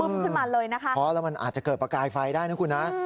ไม่ได้ต้นเพลิงมันเกิดจากอะไรครับ